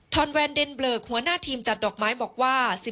อนแวนเดนเบลอหัวหน้าทีมจัดดอกไม้บอกว่า